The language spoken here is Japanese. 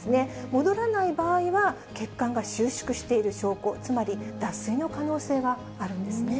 戻らない場合は、血管が収縮している証拠、つまり脱水の可能性があるんですね。